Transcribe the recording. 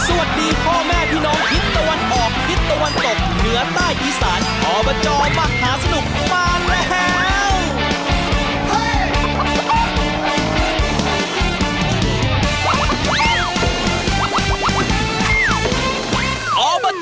ออกมาจอมหาสนุก